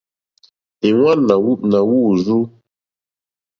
Ìŋwánà wûrzú.